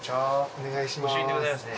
お願いします。